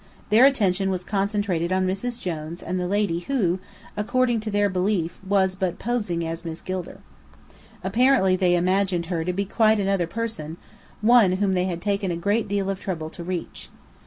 Their attention was concentrated on Mrs. Jones and on the lady who, according to their belief, was but posing as Miss Gilder. Apparently they imagined her to be quite another person, one whom they had taken a great deal of trouble to reach.